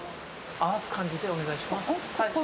合わす感じでお願いします。